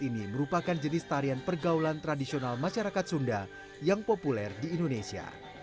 ini merupakan jenis tarian pergaulan tradisional masyarakat sunda yang populer di indonesia